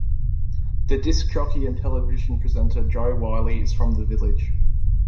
The disc jockey and television presenter Jo Whiley is from the village.